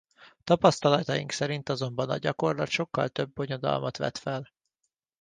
Tapasztalataink szerint azonban a gyakorlat sokkal több bonyodalmat vet fel.